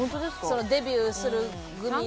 そのデビューする組の。